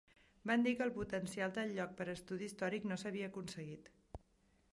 Van dir que el potencial del lloc per estudi històric no s'havia aconseguit.